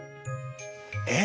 「えっ？